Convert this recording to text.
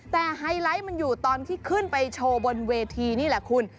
แต่ไฮไลท์มันอยู่ตอนที่ขึ้นไปโชว์บนเวทีนี่แหละคุณ